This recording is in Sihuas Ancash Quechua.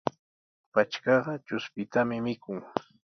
Patrkaqa chushpitami mikun.